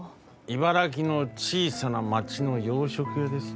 茨城の小さな町の洋食屋です。